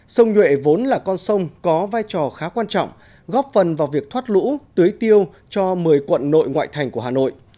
sông nhuệ vốn là con sông có vai trò khá quan trọng góp phần vào việc thoát lũ tưới tiêu cho một mươi quận nội ngoại thành của hà nội